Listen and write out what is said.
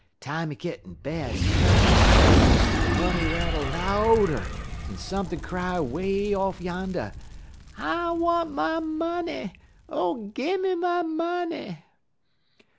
Time he git in bed en kivver his head, de money rattle louder, en sump'n' cry way off yander: "'_I want my money! Oh, gim me my money!